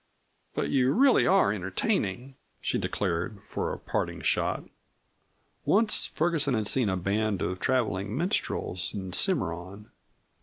But you really are entertaining!" she declared, for a parting shot. Once Ferguson had seen a band of traveling minstrels in Cimarron.